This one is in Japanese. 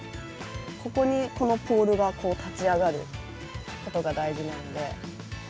ここに、このポールが立ち上がることが大事。